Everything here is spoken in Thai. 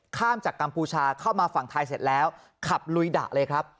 ข้ามจากกัมพูชาเข้ามาฝั่งไทยเสร็จแล้วขับลุยดะเลยครับ